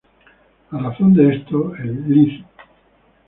A razón de esto, el Lic.